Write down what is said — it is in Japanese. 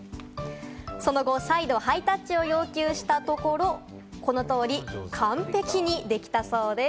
その後、再度ハイタッチを要求したところ、この通り、完璧にできたそうです。